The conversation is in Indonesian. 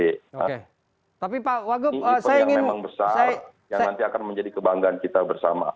ini event yang memang besar yang nanti akan menjadi kebanggaan kita bersama